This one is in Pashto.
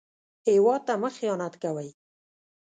هېواد ته مه خيانت کوئ